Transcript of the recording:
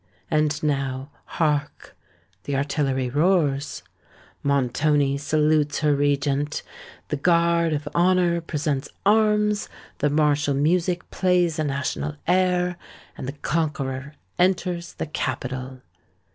And, now—hark! the artillery roars—Montoni salutes her Regent: the guard of honour presents arms; the martial music plays a national air; and the conqueror enters the capital.